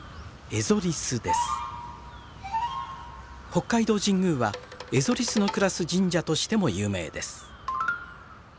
北海道神宮はエゾリスの暮らす神社としても有名です。